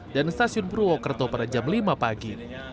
dan stasiun purwokerto pada jam lima pagi